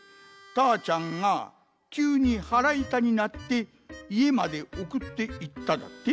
たーちゃんがきゅうにはらいたになっていえまでおくっていっただって？